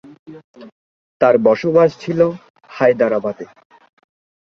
তার বসবাস ছিল হায়াদারাবাদে।